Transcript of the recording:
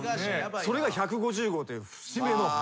それが１５０号という節目の。